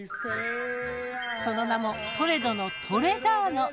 その名もトレドの「トレダーノ」！